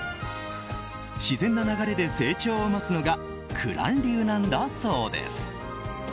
自然な流れで成長を待つのが紅蘭流なんだそうです。